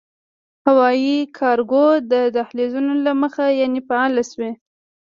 هوايي کارګو دهلېزونه لا دمخه “فعال” شوي